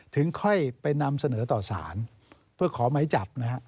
ถึงค่อยไปนำเสนอต่อสารเพื่อขอไม้จับนะฮะ